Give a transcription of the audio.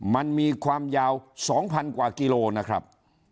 มันมีความยาว๒๐๐กว่ากิโลนะครับ